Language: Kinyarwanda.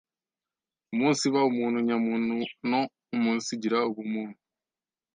umunsiba umuntu nyamuntu no umunsigira ubumuntu,